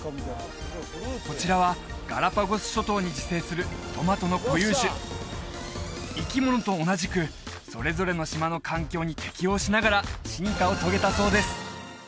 こちらはガラパゴス諸島に自生するトマトの固有種生き物と同じくそれぞれの島の環境に適応しながら進化を遂げたそうです